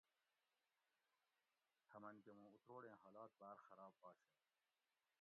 ہمن کٞہ مُوں اتروڑیں حالات باٞر خراب آشیں